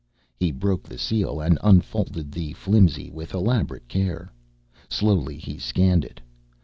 He broke the seal and unfolded the flimsy with elaborate care. Slowly, he scanned it.